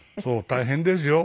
大変ですよ。